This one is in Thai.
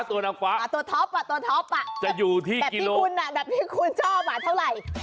ตัวท็อปอะตัวท็อปอะแบบที่คุณชอบอะเท่าไหร่